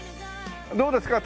どうですか？